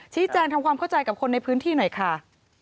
แจงทำความเข้าใจกับคนในพื้นที่หน่อยค่ะ